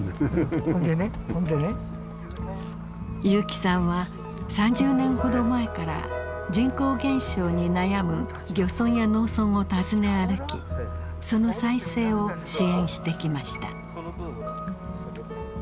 結城さんは３０年ほど前から人口減少に悩む漁村や農村を訪ね歩きその再生を支援してきました。